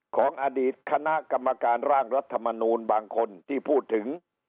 ของอดีตคณะกรรมการร่างรัฐมนูลบางคนที่พูดถึง